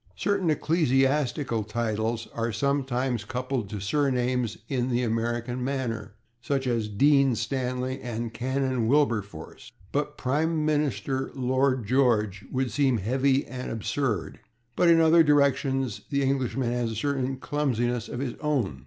Certain ecclesiastical titles are sometimes coupled to surnames in the American manner, as in /Dean Stanley/, and /Canon Wilberforce/, but /Prime Minister Lloyd George/ would seem heavy and absurd. But in other directions the Englishman has certain clumsinesses of his own.